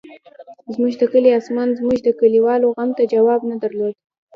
زموږ د کلي اسمان زموږ د کلیوالو غم ته جواب نه درلود.